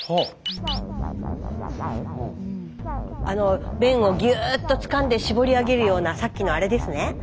あの便をギューッとつかんでしぼり上げるようなさっきのあれですね。